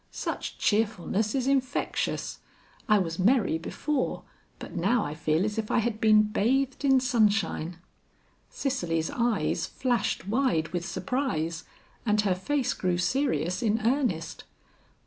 "Such cheerfulness is infectious. I was merry before, but now I feel as if I had been bathed in sunshine." Cicely's eyes flashed wide with surprise and her face grew serious in earnest.